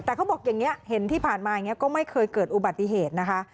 แต่เขาบอกอย่างนี้เห็นที่ผ่านมาอย่างนี้ก็ไม่เคยเกิดอุบัติเหตุนะคะ